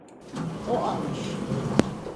O almış.